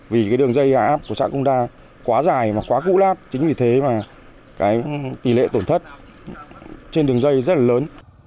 vì đường dây hạ áp của xã công đa quá dài và quá cũ lắp chính vì thế tỷ lệ tổn thất trên đường dây rất là lớn